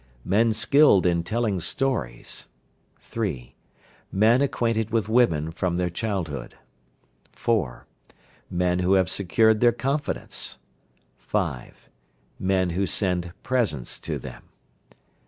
Men skilled in telling stories. 3. Men acquainted with women from their childhood. 4. Men who have secured their confidence. 5. Men who send presents to them.